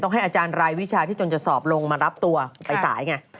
ให้อาจารย์รายวิชาที่จนจะสอบลงมารับตัวไปสายไง